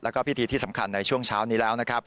และพิธีที่สำคัญในช่วงเช้านี้แล้ว